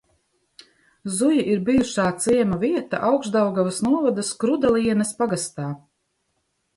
Zuji ir bijušā ciema vieta Augšdaugavas novada Skrudalienas pagastā.